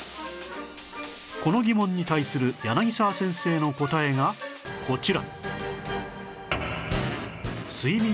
この疑問に対する柳沢先生の答えがこちら